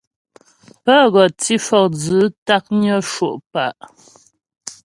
Pə́ gɔ tǐ fɔkdzʉ̌ taknyə sho' pǎ'.